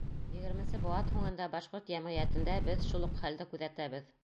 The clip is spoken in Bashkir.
ХХ быуат һуңында башҡорт йәмғиәтендә беҙ шул уҡ хәлде күҙәтәбеҙ.